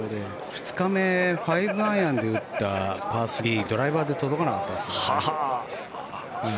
２日目５アイアンで打ったパー３ドライバーで届かなかったですから。